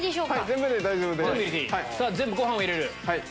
全部ご飯を入れる。